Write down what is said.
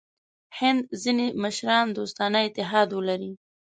هند ځیني مشران دوستانه اتحاد ولري.